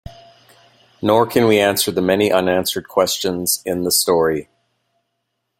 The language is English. Nor can we answer the many unanswered questions in the story.